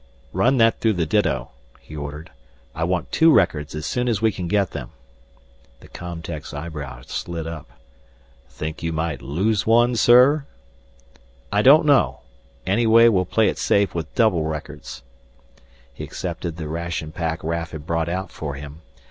"Run that through the ditto," he ordered. "I want two records as soon as we can get them!" The com tech's eyebrows slid up, "Think you might lose one, sir?" "I don't know. Anyway, we'll play it safe with double records." He accepted the ration pack Raf had brought out for him.